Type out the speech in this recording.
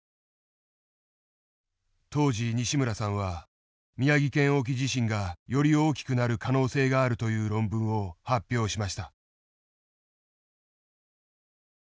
当時西村さんは宮城県沖地震がより大きくなる可能性があるという論文を発表しました。